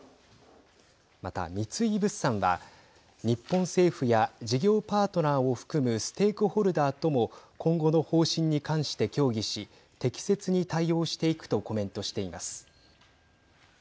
また、三井物産は日本政府や事業パートナーを含むステークホルダーとも今後の方針に関して協議し適切に対応していくとコメントしています。